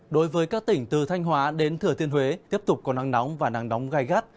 đối với các tỉnh từ thanh hóa đến thừa thiên huế tiếp tục có nắng nóng và nắng nóng gai gắt